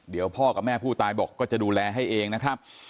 เดี๋ยวพ่อกับแม่ผู้ตายบอกก็จะดูแลให้เองนะครับ